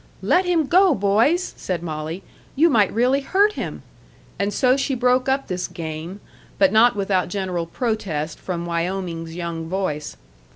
"Let him go, boys," said Molly. "You might really hurt him." And so she broke up this game, but not without general protest from Wyoming's young voice.